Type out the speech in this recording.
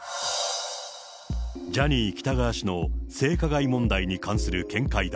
ジャニー喜多川氏の性加害問題に関する見解だ。